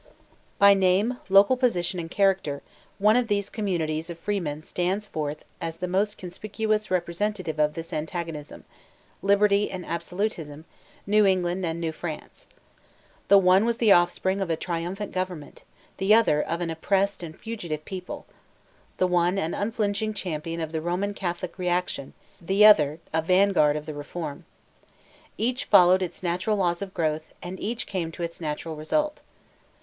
By name, local position, and character, one of these communities of freemen stands forth as the most conspicuous representative of this antagonism, Liberty and Absolutism, New England and New France. The one was the offspring of a triumphant government; the other, of an oppressed and fugitive people: the one, an unflinching champion of the Roman Catholic reaction; the other, a vanguard of the Reform. Each followed its natural laws of growth, and each came to its natural result.